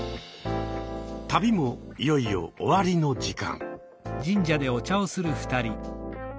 旅もいよいよ終わりの時間。